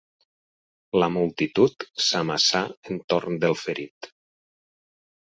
La multitud s'amassà entorn del ferit.